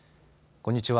こんにちは。